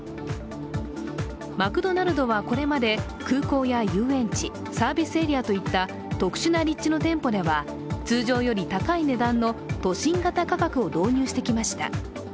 マクドナルドはこれまで、空港や遊園地、サービスエリアといった特殊な立地の店舗では通常より高い値段の都心型価格を導入してきました。